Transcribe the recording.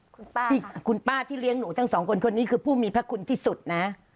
คุณป้าที่คุณป้าที่เลี้ยงหนูทั้งสองคนคนนี้คือผู้มีพระคุณที่สุดนะ